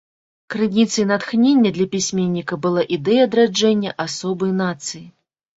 Крыніцай натхнення для пісьменніка была ідэя адраджэння асобы і нацыі.